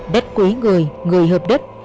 đất quý người người hợp đất